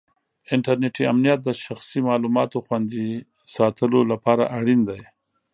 انټرنېټي امنیت د شخصي معلوماتو خوندي ساتلو لپاره اړین دی.